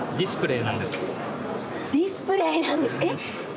ディスプレーなんですか？